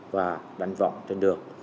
và đánh vọng trên đường